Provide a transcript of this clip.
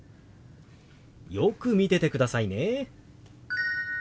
よく見ててくださいね。